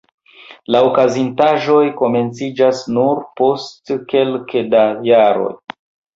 La okazintaĵoj komenciĝas nur post kelke da jaroj.